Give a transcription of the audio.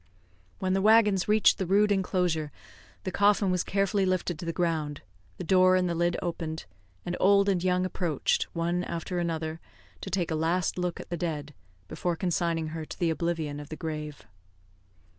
When the waggons reached the rude enclosure, the coffin was carefully lifted to the ground, the door in the lid opened, and old and young approached, one after another, to take a last look at the dead, before consigning her to the oblivion of the grave.